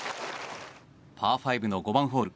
パー５の５番ホール。